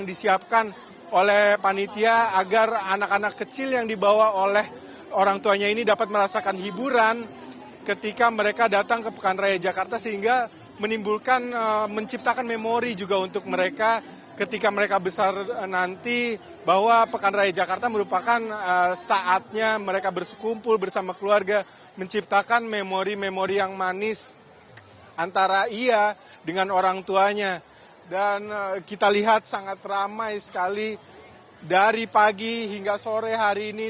dan kita lihat sangat ramai sekali dari pagi hingga sore hari ini